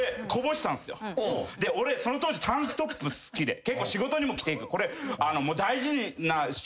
俺その当時タンクトップ好きで結構仕事にも着ていく。